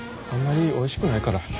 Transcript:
あんまりおいしくないから。